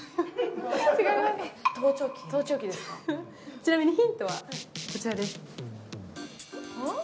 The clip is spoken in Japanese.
ちなみにヒントは、こちらです。